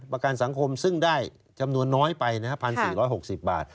ประกันสังคมซึ่งได้จำนวนน้อยไป๑๔๖๐บาท